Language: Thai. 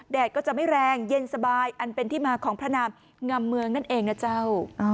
ก็จะไม่แรงเย็นสบายอันเป็นที่มาของพระนามงำเมืองนั่นเองนะเจ้า